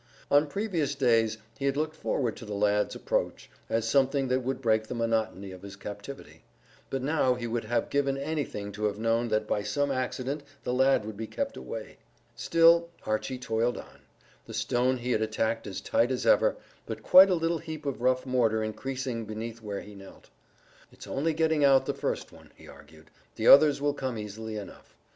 On previous days he had looked forward to the lad's approach as something that would break the monotony of his captivity, but now he would have given anything to have known that by some accident the lad would be kept away. Still Archy toiled on, the stone he had attacked as tight as ever, but quite a little heap of rough mortar increasing beneath where he knelt. "It's only getting out the first one," he argued; "the others will come easily enough."